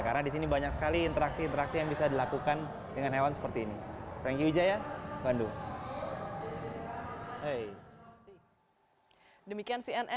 karena di sini banyak sekali interaksi interaksi yang bisa dilakukan dengan hewan seperti ini